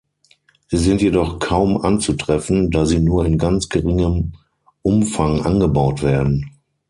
Sie sind jedoch kaum anzutreffen, da sie nur in ganz geringem Umfang angebaut werden.